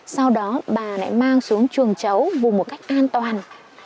sau đó bà lại mang xuống chuồng chấu vùng một cách an toàn